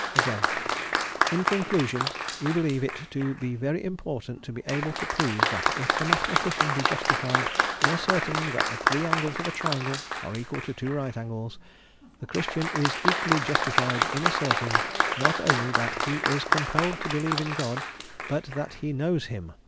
Again: "In conclusion, we believe it to be very important to be able to prove that if the mathematician be justified in asserting that the three angles of a triangle are equal to two right angles, the Christian is equally justified in asserting, not only that he is compelled to believe in God, but that he knows Him.